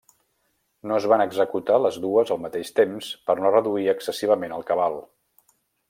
No es van executar les dues al mateix temps per no reduir excessivament el cabal.